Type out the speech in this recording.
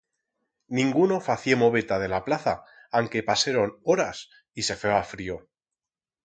Dinguno facié moveta de la plaza anque paseron horas y se feba frío.